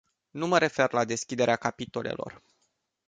Nu mă refer la deschiderea capitolelor.